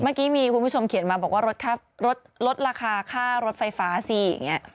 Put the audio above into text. เมื่อกี้มีคุณผู้ชมเขียนมาบอกว่าลดราคาค่ารถไฟฟ้าสิอย่างนี้